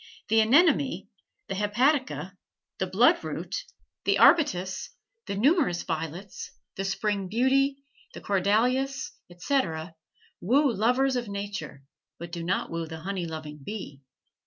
The anemone, the hepatica, the bloodroot, the arbutus, the numerous violets, the spring beauty, the corydalis, etc., woo lovers of nature, but do not woo the honey loving bee.